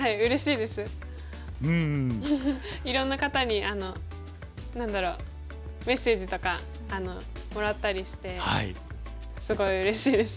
いろんな方に何だろうメッセージとかもらったりしてすごいうれしいです。